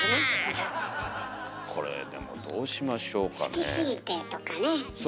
これでもどうしましょうかねえ。